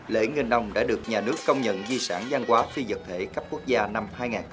lễ nghìn ông đã được nhà nước công nhận di sản văn hóa phi dật thể cấp quốc gia năm hai nghìn một mươi ba